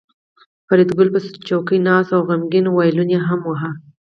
فریدګل په څوکۍ ناست و او غمګین وایلون یې واهه